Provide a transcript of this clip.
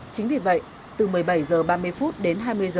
chính vì vậy từ một mươi bảy h ba mươi đến hai mươi h